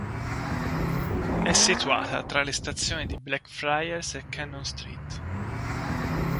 È situata tra le stazioni di Blackfriars e Cannon Street.